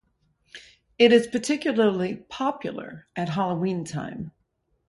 It is particularly popular at Halloween time.